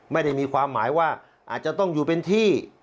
ไม่ได้มีความหมายว่าอาจจะต้องอยู่เป็นที่